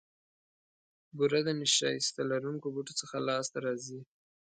بوره د نیشاسته لرونکو بوټو څخه لاسته راځي.